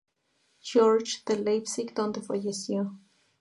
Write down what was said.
Georg de Leipzig donde falleció.